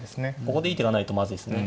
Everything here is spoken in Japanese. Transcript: ここでいい手がないとまずいですね。